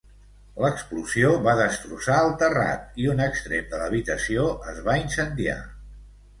L'explosió va destrossar el terrat, i un extrem de l'habitació es va incendiar.